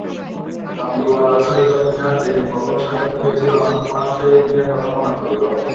কাবুলিওয়ালার সহিত মিনির যেদিন প্রথম সাক্ষাৎ হইয়াছিল, আমার সেই দিনের কথা মনে পড়িল।